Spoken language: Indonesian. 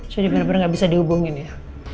jadi bener bener nggak bisa dihubungin ya